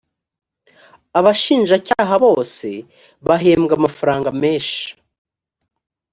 abashinjacyaha bose bahembwa amafaranga meshi.